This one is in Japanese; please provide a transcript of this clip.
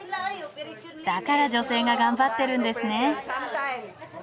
だから女性が頑張ってるんですね。